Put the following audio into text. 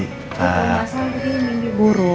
aku ngerasa tadi mending buruk